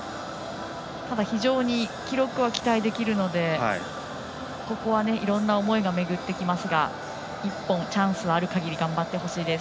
ただ、非常に記録は期待できるのでここは、いろんな思いが巡ってきますが１本チャンスはあるかぎり頑張ってほしいです。